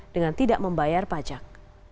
dengan tidak membayar pajak